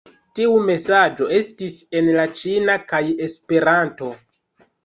Tiu mesaĝo estis en la ĉina kaj Esperanto.